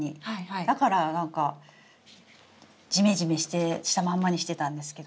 だからなんかジメジメしたまんまにしてたんですけど。